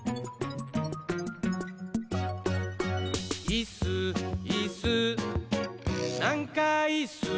「いっすーいっすーなんかいっすー」